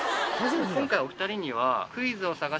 今回お２人には。